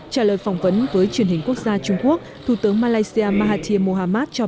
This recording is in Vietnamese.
trả lời phỏng vấn với truyền hình quốc gia trung quốc thủ tướng malaysia mahathir mohamad cho